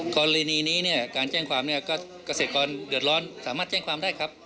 กรณีนี้เนี่ยการแจ้งความเนี่ยก็เกษตรกรเดือดร้อนสามารถแจ้งความได้ครับ